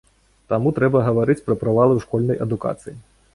Таму трэба гаварыць пра правалы ў школьнай адукацыі.